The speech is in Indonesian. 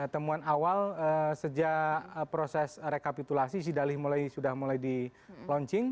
temuan awal sejak proses rekapitulasi si dalih sudah mulai di launching